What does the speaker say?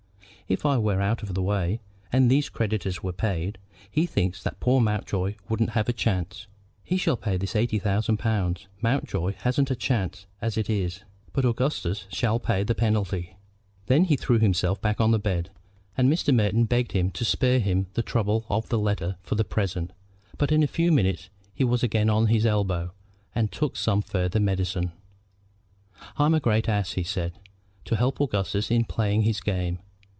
If I were out of the way, and these creditors were paid, he thinks that poor Mountjoy wouldn't have a chance. He shall pay this eighty thousand pounds. Mountjoy hasn't a chance as it is; but Augustus shall pay the penalty." Then he threw himself back on the bed, and Mr. Merton begged him to spare himself the trouble of the letter for the present. But in a few minutes he was again on his elbow and took some farther medicine. "I'm a great ass," he said, "to help Augustus in playing his game.